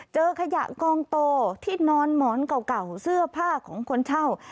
เจอขยะกองโตที่นอนหมอนเก่าเสื้อผ้าของคนเช่า